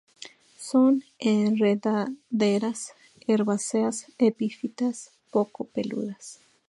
Son enredaderas herbáceas epífitas, poco peludas.